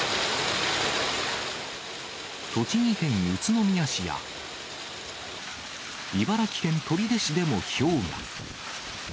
栃木県宇都宮市や、茨城県取手市でもひょうが。